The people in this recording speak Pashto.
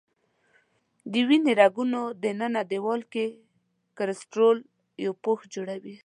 د وینې رګونو دننه دیوال کې کلسترول یو پوښ جوړوي.